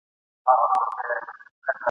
څه دولت به هم ترلاسه په ریشتیا کړې ..